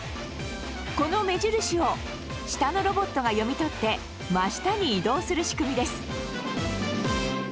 この目印を下のロボットが読み取って真下に移動する仕組みです。